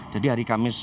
jadi hari kamis